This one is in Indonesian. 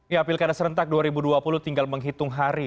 ya pilkada serentak dua ribu dua puluh tinggal menghitung hari